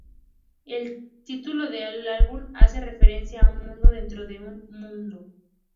El título del álbum, hace referencia a "un mundo dentro de un mundo".